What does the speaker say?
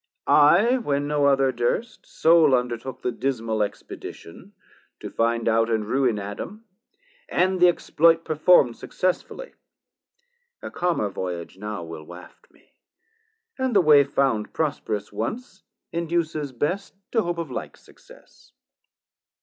I, when no other durst, sole undertook 100 The dismal expedition to find out And ruine Adam, and the exploit perform'd Successfully; a calmer voyage now Will waft me; and the way found prosperous once Induces best to hope of like success.